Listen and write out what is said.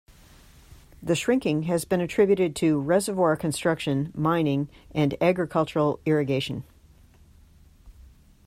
The shrinking has been attributed to reservoir construction, mining, and agricultural irrigation.